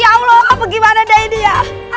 ya allah apa gimana deh ini ya